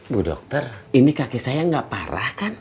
bu dokter ini kaki saya gak parah kan